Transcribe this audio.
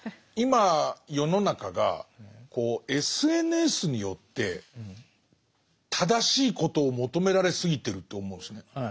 今世の中がこうＳＮＳによって正しいことを求められすぎてるって思うんですね。